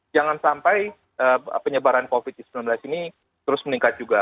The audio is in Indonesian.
jangan sampai penyebaran covid sembilan belas ini terus meningkat juga